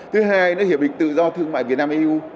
thứ hai nó hiệp định tự do thương mại việt nam eu